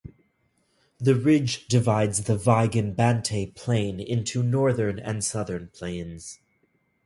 The ridge divides the Vigan-Bantay Plain into northern and southern plains.